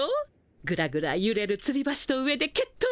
ぐらぐらゆれるつり橋の上で決闘ですわ。